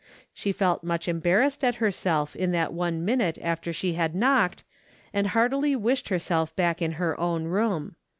She felt much embarrassed at herself in that one min ute after she had knocked, and heartily wished herself back in her own room.